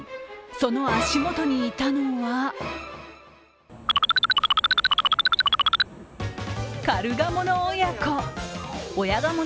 その足元にいたのはカルガモの親子。